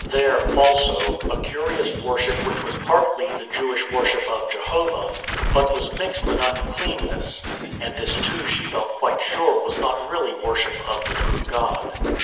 THE SHOUT OF THE SLAVE GIRL 187 also, a curious worship which was partly the Jewish worship of Jehovah, but was mixed with uncleanness; and this too she felt quite sure was not really worship of the true God.